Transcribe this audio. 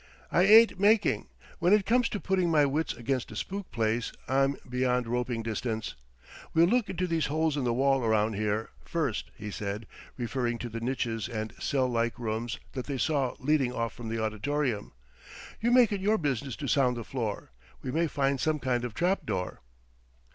"I ain't making. When it comes to putting my wits against a spook place, I'm beyond roping distance. We'll look into these holes in the wall around here, first," he said, referring to the niches and cell like rooms that they saw leading off from the auditorium. "You make it your business to sound the floor. We may find some kind of trap door."